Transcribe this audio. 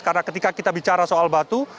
karena ketika kita bicara soal batu